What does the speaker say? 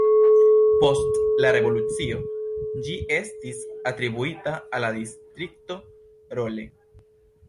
Post la revolucio ĝi estis atribuita al la Distrikto Rolle.